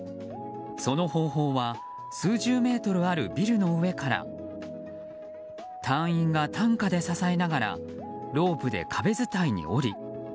その方法は数十メートルあるビルの上から隊員が担架で支えながらロープで壁伝いに下り